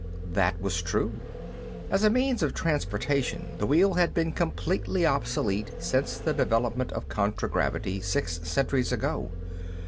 That was true. As a means of transportation, the wheel had been completely obsolete since the development of contragravity, six centuries ago.